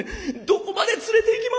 どこまで連れていき